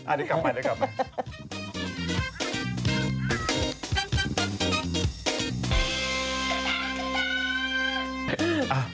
อ่ะเดี๋ยวกลับมา